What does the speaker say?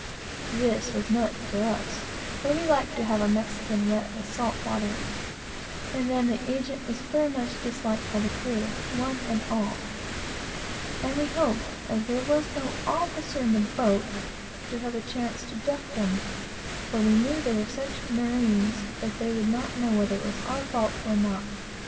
This was nuts to us; for we liked to have a Spaniard wet with salt water; and then the agent was very much disliked by the crew, one and all; and we hoped, as there was no officer in the boat, to have a chance to duck them; for we knew that they were such "marines" that they would not know whether it was our fault or not.